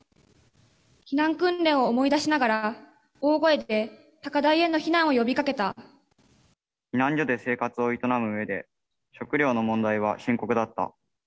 避難訓練を思い出しながら、避難所で生活を営むうえで、食料の問題は深刻だった。